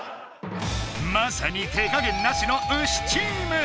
まさに手加減なしのウシチーム！